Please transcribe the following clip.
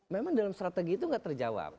memang dalam strategi itu nggak terjawab